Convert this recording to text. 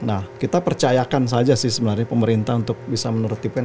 nah kita percayakan saja sih sebenarnya pemerintah untuk bisa menertibkan